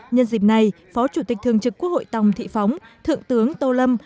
nhân dịp này phó chủ tịch thường trực quốc hội tòng thị phóng thượng tướng tô lâm